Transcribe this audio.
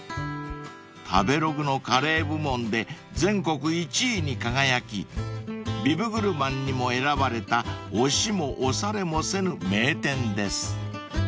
［食べログのカレー部門で全国１位に輝きビブグルマンにも選ばれた押しも押されもせぬ名店です］